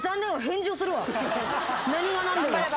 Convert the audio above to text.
何が何でも。